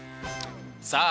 さあ